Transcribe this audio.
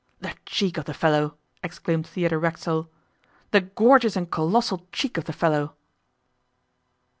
'The cheek of the fellow!' exclaimed Theodore Racksole. 'The gorgeous and colossal cheek of the fellow!